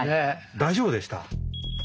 大丈夫でした？